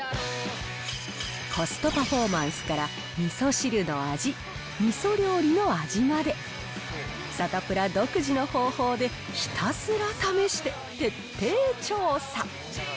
コストパフォーマンスからみそ汁の味、みそ料理の味まで、サタプラ独自の方法で、ひたすら試して徹底調査。